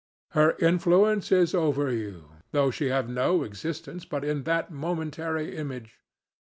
Her influence is over you, though she have no existence but in that momentary image.